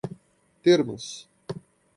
termos